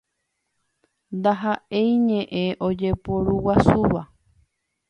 Ndaha'éi ñe'ẽ ojeporuguasúva.